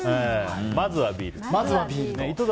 まずはビールと。